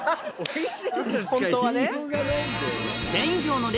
本当はね。